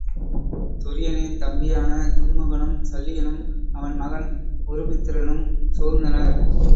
துரியனின் தம்பியான துன்முகனும் சல்லியனும் அவன் மகன் உருமித்திரனும் சூழ்ந்தனர்.